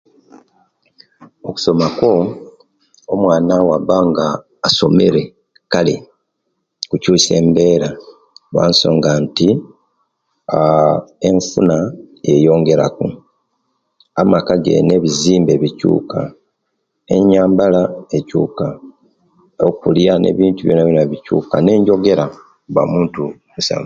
Okusoma kwo omwana obwabanga asomere kale kukyusiya embera lwansonga nti aaa enfuna yeyongera ku amaka gene ebizimbe bikyuka, enyambala ekyuka, okuliya nebintu byonabyona bikyuka ne enjogera aba muntu